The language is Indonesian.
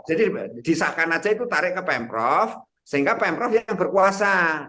jadi disahkan aja itu tarik ke pemprov sehingga pemprov yang berkuasa